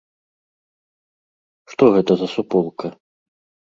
Што гэта за суполка?